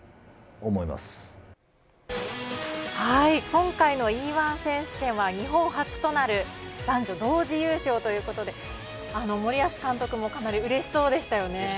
今回のＥ−１選手権は日本初となる男女同時優勝ということで森保監督もかなり嬉しそうでしたよね。